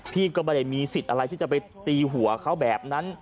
พี่ก็ไม่ได้มีสิทธิ์อะไรที่จะไปตีหัวเขาแบบนั้น